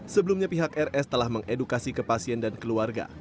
sebelumnya pihak rs telah mengedukasi ke pasien dan keluarga